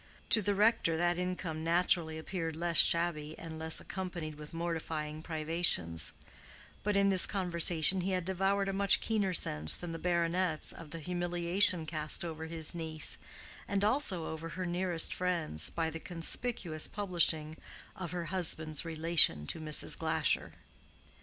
To the rector that income naturally appeared less shabby and less accompanied with mortifying privations; but in this conversation he had devoured a much keener sense than the baronet's of the humiliation cast over his niece, and also over her nearest friends, by the conspicuous publishing of her husband's relation to Mrs. Glasher.